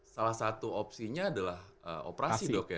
salah satu opsinya adalah operasi dok ya